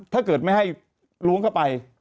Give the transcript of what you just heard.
ถ้าเกิดไม่ให้ล้วงเข้าไป